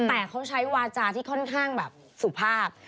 แต่เขาใช้วาจาที่ค่อนข้างแบบสุภาพ